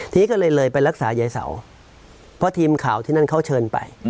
ทีนี้ก็เลยเลยไปรักษายายเสาเพราะทีมข่าวที่นั่นเขาเชิญไป